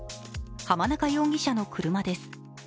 浜中容疑者の車です。